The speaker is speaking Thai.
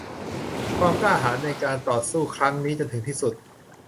ความกล้าหาญในการต่อสู้ครั้งนี้จนถึงที่สุด